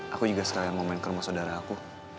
aku juga sekalian mau main kerumah sodara aku